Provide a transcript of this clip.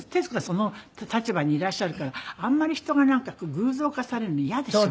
その立場にいらっしゃるからあんまり人がなんか偶像化されるの嫌でしょ？